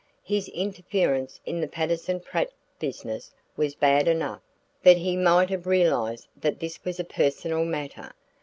His interference in the Patterson Pratt business was bad enough, but he might have realized that this was a personal matter.